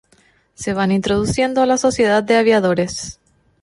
Se van introduciendo a la sociedad de aviadores.